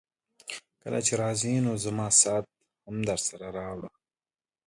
کله چي راځې نو زما ساعت هم درسره راوړه.